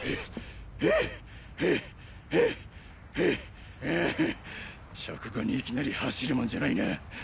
ハァハァうう食後にいきなり走るもんじゃないな。